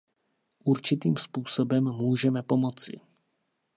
Určitým způsobem můžeme pomoci.